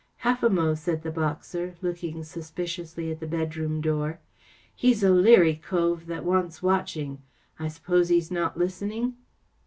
" Half a mo'," said the boxer, looking sus¬ piciously at the bedroom door “ He's a leary cove that wants watching. I suppose he's not listening